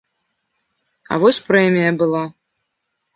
А вось прэмія была.